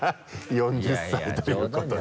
４０歳ということで。